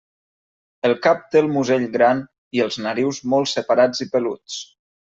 El cap té el musell gran i els narius molt separats i peluts.